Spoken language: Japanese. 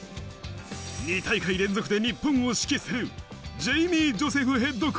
２大会連続で日本を指揮するジェイミー・ジョセフＨＣ。